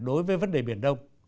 đối với vấn đề biển đông